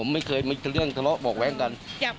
ไม่เคยเป็นเรื่องทลอบกว่ากัน